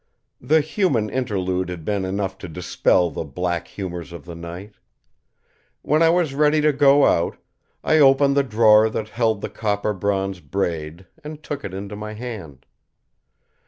The human interlude had been enough to dispel the black humors of the night. When I was ready to go out, I opened the drawer that held the copper bronze braid and took it into my hand.